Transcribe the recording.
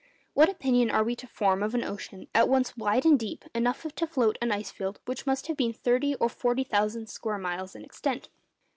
What opinion are we to form of an ocean at once wide and deep enough to float an ice field which must have been thirty or forty thousand square miles in extent?